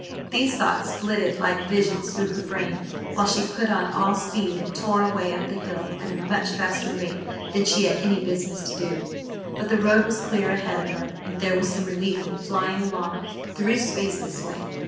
These thoughts flitted like visions through her brain while she put on all speed and tore away up the hill at a much faster rate than she had any business to do. But the road was clear ahead of her and there was some relief in flying along through space this way.